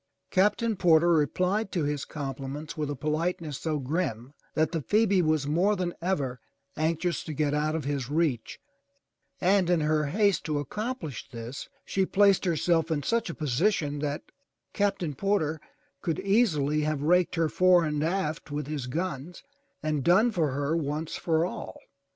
Captain Porter replied to his compliments with a polite ness so grim that the Phoebe was more than ever anxious to get out of his reach and in her haste to accomplish this, she placed herself in such a position that Captain Porter could easily have raked her fore and aft with his guns and done for her once for all.